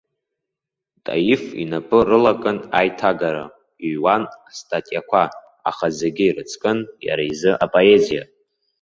Таиф инапы рылакын аиҭагара, иҩуан астатиақәа, аха зегьы ирыцкын иара изы апоезиа.